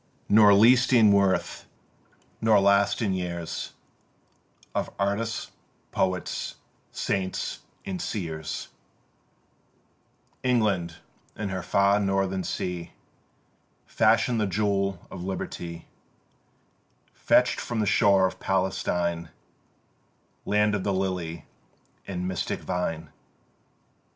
Nor least in worth nor last in years Of artists, poets, saints and seers, England, in her far northern sea, Fashion'd the jewel of Liberty, Fetch'd from the shore of Palestine (Land of the Lily and mystic Vine).